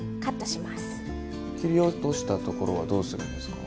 切り落としたところはどうするんですか？